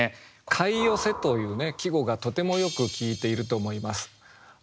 「貝寄風」というね季語がとてもよく効いていると思います。